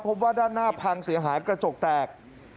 พบว่าด้านหน้าพังเสียหายกระจกแตก